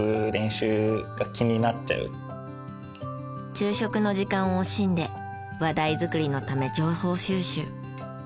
昼食の時間を惜しんで話題作りのため情報収集。